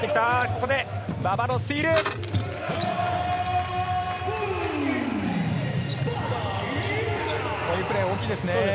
こういうプレーは大きいですね。